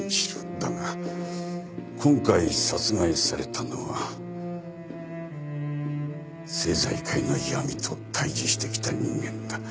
だが今回殺害されたのは政財界の闇と対峙してきた人間だ。